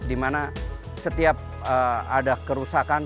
dimana setiap ada kerusakan